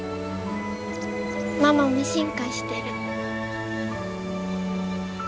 ママも進化してる。